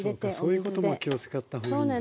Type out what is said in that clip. そういうことも気を遣った方がいいんですね。